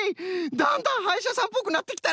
だんだんはいしゃさんっぽくなってきたな。